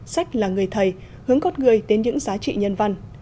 sách là người thầy hướng gót người đến những giá trị nhân văn